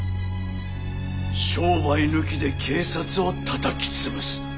商売抜きで警察をたたき潰す。